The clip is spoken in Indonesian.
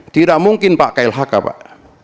tidak mungkin pak klhk pak